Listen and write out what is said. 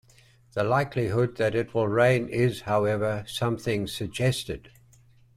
The likelihood that it will rain is, however, something "suggested".